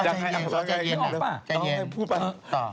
กระจายใยหยินพูดป่ะ